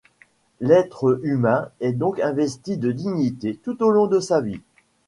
L'être humain est donc investi de dignité tout au long de sa vie.